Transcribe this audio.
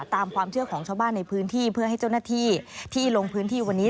ตามความเชื่อของชาวบ้านในพื้นที่เพื่อให้เจ้าหน้าที่ที่ลงพื้นที่วันนี้